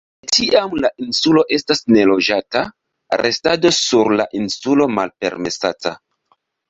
De tiam la insulo estas neloĝata, restado sur la insulo malpermesata.